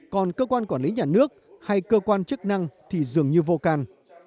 còn cơ quan quản lý nhà nước hay cơ quan chức năng thì dường như vô can